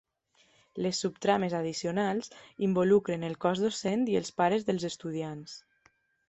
Les subtrames addicionals involucren el cos docent i els pares dels estudiants